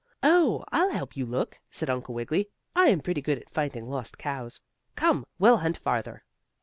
"Oh, I'll help you look," said Uncle Wiggily. "I am pretty good at finding lost cows. Come, we'll hunt farther."